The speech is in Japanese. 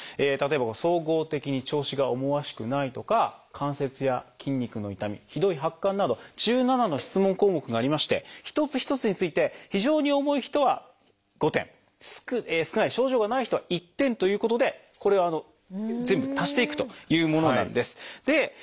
例えば「総合的に調子が思わしくない」とか「関節や筋肉の痛み」「ひどい発汗」など１７の質問項目がありまして一つ一つについて非常に重い人は５点少ない症状がない人は１点ということでこれを全部足していくというものなんです。